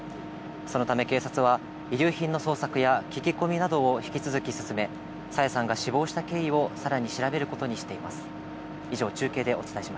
そのため、警察は遺留品の捜索や聞き込みなどを引き続き進め、朝芽さんが死亡した経緯をさらに調べることにしています。